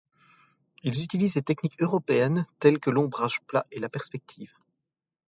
Ils utilisent les techniques européennes tels que l'ombrage plat et la perspective.